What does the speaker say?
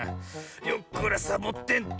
よっこらサボテンと。